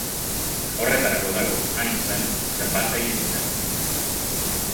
Horretarako dago, hain zuzen, zenbatzaile-sintagma.